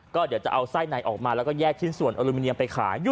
ก็เดี๋ยวจะเอาไส้ในออกมาแล้วก็แยกชิ้นส่วนอลูมิเนียมไปขาย